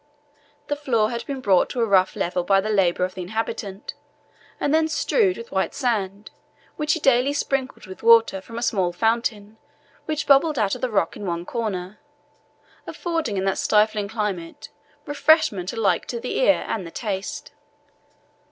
The floor had been brought to a rough level by the labour of the inhabitant, and then strewed with white sand, which he daily sprinkled with water from a small fountain which bubbled out of the rock in one corner, affording in that stifling climate, refreshment alike to the ear and the taste.